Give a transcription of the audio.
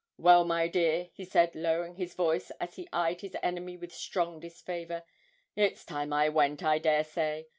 'Well, my dear,' he said, lowering his voice as he eyed his enemy with strong disfavour, 'it's time I went, I dare say.